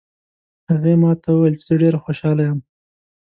هغې ما ته وویل چې زه ډېره خوشحاله یم